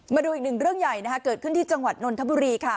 มาดูอีกหนึ่งเรื่องใหญ่เกิดขึ้นที่จังหวัดนนทบุรีค่ะ